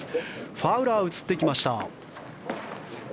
ファウラー、映ってきました。